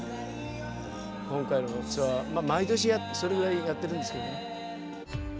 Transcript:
今回のツアー毎年それぐらいやってるんですけどね。